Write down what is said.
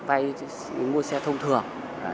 vay mua xe thông thường